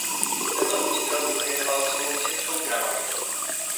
Tento učitel mu věnoval svou českou gramatiku.